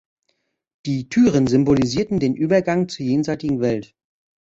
Die Türen symbolisierten den Übergang zur jenseitigen Welt.